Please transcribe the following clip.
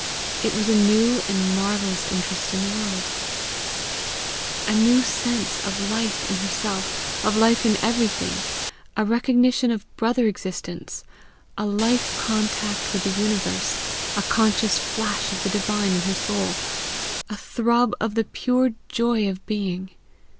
It was a new and marvellous interest in the world, a new sense of life in herself, of life in everything, a recognition of brother existence, a life contact with the universe, a conscious flash of the divine in her soul, a throb of the pure joy of being.